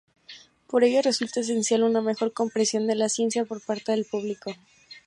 Por ello resulta esencial una mejor comprensión de la ciencia por parte del público.